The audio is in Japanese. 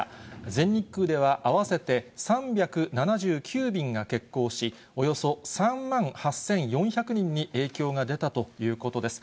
全日空では合わせて３７９便が欠航し、およそ３万８４００人に影響が出たということです。